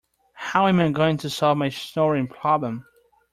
How am I going to solve my snoring problem?